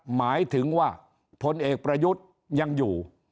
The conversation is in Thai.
หมายถึงว่าพลเอกประยุทธ์ยังอยู่